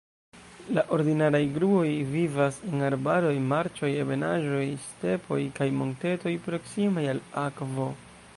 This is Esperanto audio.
La ordinaraj gruoj vivas en arbaroj, marĉoj, ebenaĵoj, stepoj kaj montetoj proksimaj al akvo.